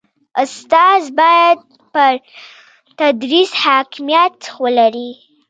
استاد باید پر تدریس حاکمیت ولري.